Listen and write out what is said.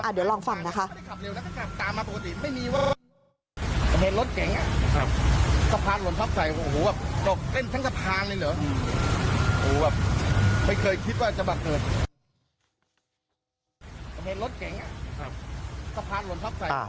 เดี๋ยวลองฟังนะคะ